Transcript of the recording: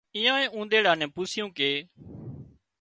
ايئانئي اونۮيڙا نين پوسيون ڪي